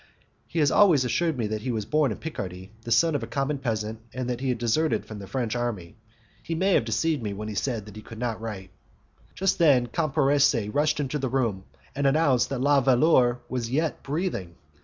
He has always assured me that he was born in Picardy, the son of a common peasant, and that he had deserted from the French army. He may have deceived me when he said that he could not write." Just then Camporese rushed into the room, and announced that La Veleur was yet breathing.